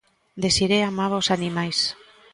Desirée amaba os animais.